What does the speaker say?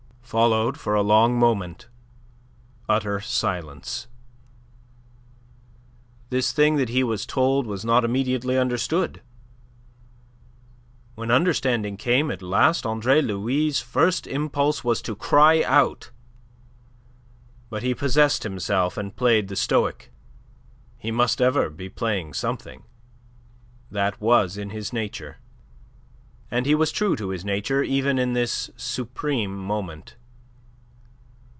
Followed, for a long moment, utter silence. This thing that he was told was not immediately understood. When understanding came at last Andre Louis' first impulse was to cry out. But he possessed himself, and played the Stoic. He must ever be playing something. That was in his nature. And he was true to his nature even in this supreme moment.